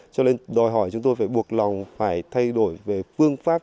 cho nên đòi hỏi chúng tôi phải buộc lòng phải thay đổi về phương pháp